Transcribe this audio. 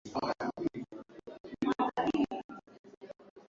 Usimamizi wa Kambi na Makazi kutoka Idara ya Huduma kwa Wakimbizi Stephen Msangi amesema